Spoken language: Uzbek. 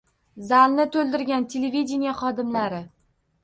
Zalni to‘ldirgan televideniye xodimlari